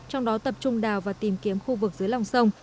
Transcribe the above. trong đó tập trung đào và tìm kiếm khu vực dưới lòng sông